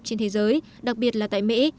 trên thế giới đặc biệt là tại mỹ